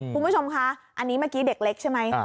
คุณผู้ชมคะอันนี้เมื่อกี้เด็กเล็กใช่ไหม